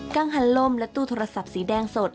ังหันลมและตู้โทรศัพท์สีแดงสด